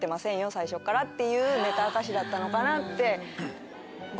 最初っからっていうネタ明かしだったのかなって。